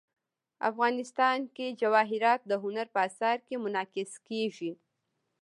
افغانستان کې جواهرات د هنر په اثار کې منعکس کېږي.